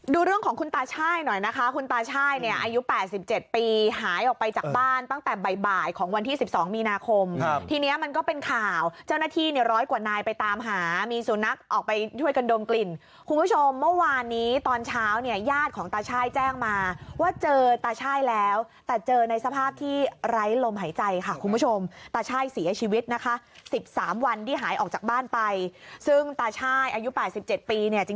ดูเรื่องของคุณตาช่ายหน่อยนะคะคุณตาช่ายเนี่ยอายุ๘๗ปีหายออกไปจากบ้านตั้งแต่บ่ายบ่ายของวันที่๑๒มีนาคมทีเนี้ยมันก็เป็นข่าวเจ้าหน้าที่เนี่ยร้อยกว่านายไปตามหามีสู่นักออกไปช่วยกันดมกลิ่นคุณผู้ชมเมื่อวานนี้ตอนเช้าเนี่ยยาดของตาช่ายแจ้งมาว่าเจอตาช่ายแล้วแต่เจอในสภาพที่ไร้ลมหายใจค่ะคุณผ